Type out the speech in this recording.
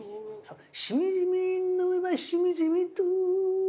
「しみじみ飲めばしみじみと」